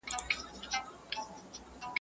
مه وکې ها منډه، چي دي کونه سي بربنډه.